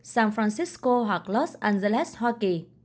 san francisco hoặc los angeles hoa kỳ